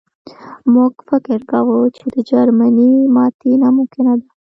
موږ فکر کاوه چې د جرمني ماتې ناممکنه ده